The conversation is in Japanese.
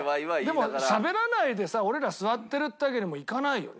でもしゃべらないでさ俺ら座ってるっていうわけにもいかないよね。